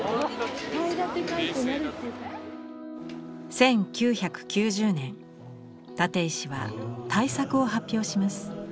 １９９０年立石は大作を発表します。